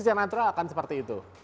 konsen natural akan seperti itu